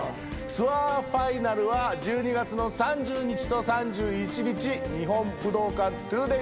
ツアーファイナルは１２月の３０日と３１日日本武道館２デイズです。